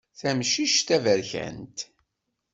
Tamcict taberkant.